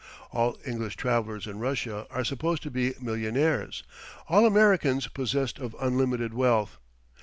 All English travellers in Russia are supposed to be millionaires; all Americans, possessed of unlimited wealth.